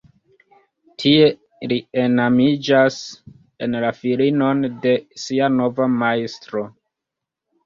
Tie li enamiĝas en la filinon de sia nova majstro.